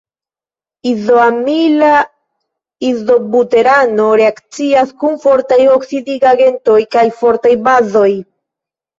Izoamila izobuterato reakcias kun fortaj oksidigagentoj kaj fortaj bazoj.